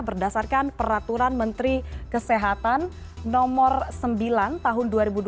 berdasarkan peraturan menteri kesehatan nomor sembilan tahun dua ribu dua puluh